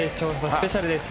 スペシャルです。